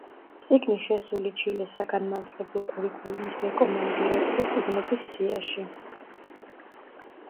წიგნი შესული ჩილეს საგანმანათლებლო კურიკულუმის რეკომენდირებული წიგნების სიაში.